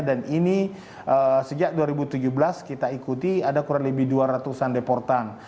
dan ini sejak dua ribu tujuh belas kita ikuti ada kurang lebih dua ratusan deportan